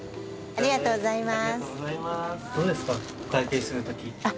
ありがとうございます。